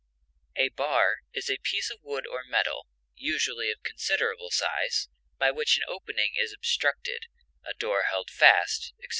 A bar is a piece of wood or metal, usually of considerable size, by which an opening is obstructed, a door held fast, etc.